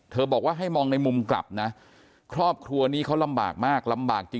บอกว่าให้มองในมุมกลับนะครอบครัวนี้เขาลำบากมากลำบากจริง